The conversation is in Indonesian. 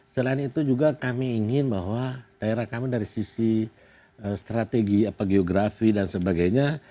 selain itu juga kami ingin bahwa daerah kami dari sisi strategi geografi dan sebagainya